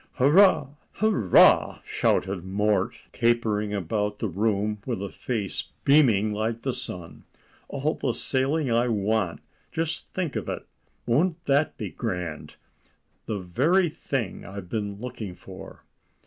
"Hurrah! hurrah!" shouted Mort, capering about the room with a face beaming like the sun. "All the sailing I want! Just think of it! Won't that be grand? The very thing I've been looking for."